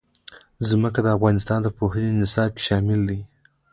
ځمکه د افغانستان د پوهنې نصاب کې شامل دي.